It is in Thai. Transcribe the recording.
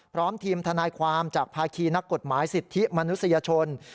พร้อมทีมทนายความจากภาคีนักกฎหมายสิทธิมนุษยชน